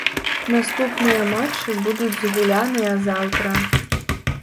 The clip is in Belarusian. Наступныя матчы будуць згуляныя заўтра.